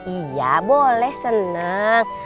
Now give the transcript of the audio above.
iya boleh seneng